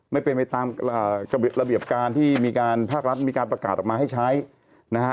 ไม่เป็นไปตามระเบียบการที่มีการภาครัฐมีการประกาศออกมาให้ใช้นะฮะ